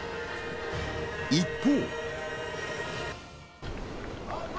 一方。